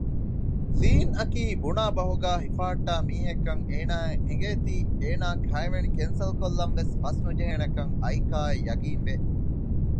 ލީންއަކީ ބުނާ ބަހުގައި ހިފަހައްޓާ މީހެއްކަން އޭނާއަށް އެނގޭތީ އޭނާ ކައިވެނި ކެންސަލްކޮށްލަންވެސް ފަސްނުޖެހޭނެކަން އައިކާއަށް ޔަޤީންވެ